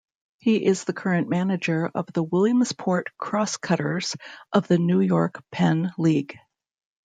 He is the current manager of the Williamsport Crosscutters of the New York-Penn League.